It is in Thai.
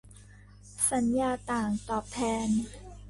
สัญญาต่างตอบแทน